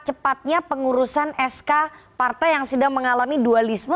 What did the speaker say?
cepatnya pengurusan sk partai yang sedang mengalami dualisme